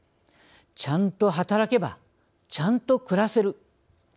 ちゃんと働けばちゃんと暮らせる。